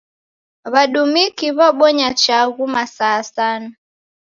W'adumiki w'abonya chaghu masaa asanu.